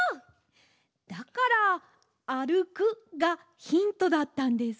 だから「あるく」がヒントだったんですね。